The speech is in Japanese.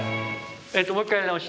えともう一回やり直し。